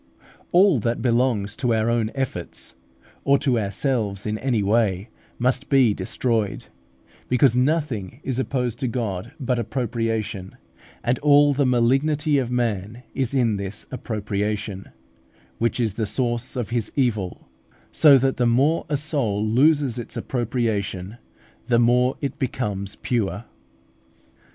All that belongs to our own efforts, or to ourselves in any way, must be destroyed, because nothing is opposed to God but appropriation, and all the malignity of man is in this appropriation, which is the source of his evil; so that the more a soul loses its appropriation, the more it becomes pure.